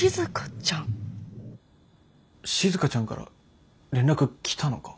しずかちゃんから連絡来たのか？